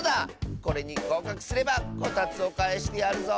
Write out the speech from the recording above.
これにごうかくすればこたつをかえしてやるぞ！